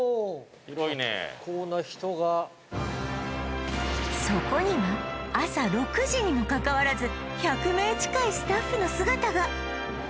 結構な人がそこには朝６時にもかかわらず１００名近いスタッフの姿が！